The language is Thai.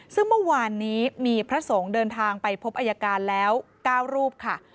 ซึ่งเมื่อวานนี้มีพระสงฆ์เดินทางไปพบอายการแล้ว๙รูปค่ะ